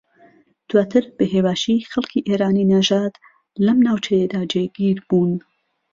دواتر بە ھێواشی خەڵکی ئێرانی نەژاد لەم ناوچەیەدا جێگیر بوون